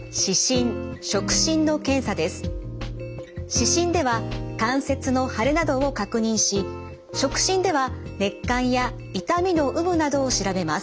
視診では関節の腫れなどを確認し触診では熱感や痛みの有無などを調べます。